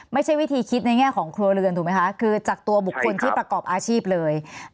ไม่ใช่วิธีคิดในแง่ของครัวเรือนถูกไหมคะคือจากตัวบุคคลที่ประกอบอาชีพเลย